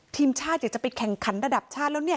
ทีมชาติอยากจะไปแข่งขันระดับชาติแล้วเนี่ย